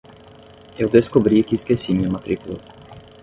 Eu descobri que esqueci minha matrícula.